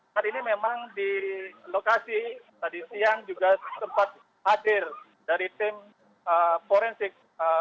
saat ini memang di lokasi tadi siang juga sempat hadir dari tim forensik